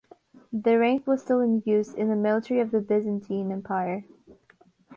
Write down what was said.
The rank was still in use in the military of the Byzantine Empire.